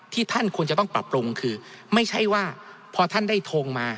ท่านควรจะต้องปรับปรุงคือไม่ใช่ว่าพอท่านได้ทงมา